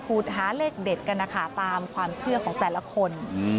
หาเลขเด็ดกันนะคะตามความเชื่อของแต่ละคน